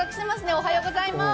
おはようございます。